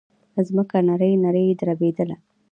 ځمکه نرۍ نرۍ دربېدله.